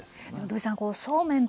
土井さん